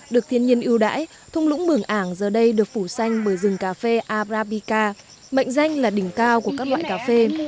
được thiên nhiên ưu đãi thung lũng mường ảng giờ đây được phủ xanh bởi rừng cà phê abrabica mệnh danh là đỉnh cao của các loại cà phê